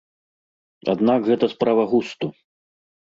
Аднак гэта справа густу.